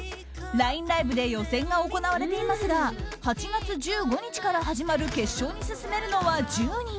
ＬＩＮＥＬＩＶＥで予選が行われていますが８月１５日から始まる決勝に進めるのは１０人。